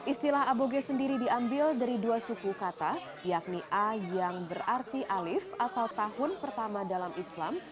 istilah aboge sendiri diambil dari dua suku kata yakni a yang berarti alif atau tahun pertama dalam islam